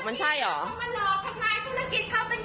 ทำลายอย่างไร